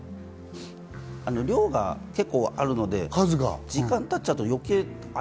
量が結構あるので、時間経っちゃうと余計、あれ？